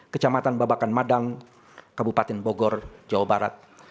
kecamatan babakan madang kabupaten bogor jawa barat